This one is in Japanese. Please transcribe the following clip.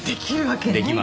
できます。